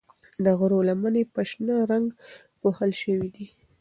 د غرو لمنې په شنه رنګ پوښل شوې دي.